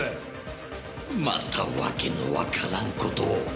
また訳のわからん事を。